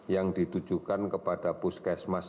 yang ditujukan kepada puskesmas